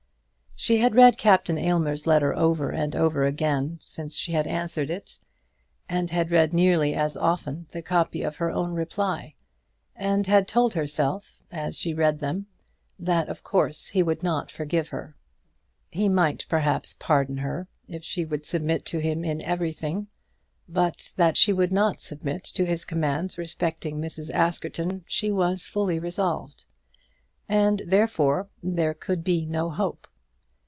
She had read Captain Aylmer's letter over and over again since she had answered it, and had read nearly as often the copy of her own reply, and had told herself, as she read them, that of course he would not forgive her. He might perhaps pardon her, if she would submit to him in everything; but that she would not submit to his commands respecting Mrs. Askerton she was fully resolved, and, therefore, there could be no hope.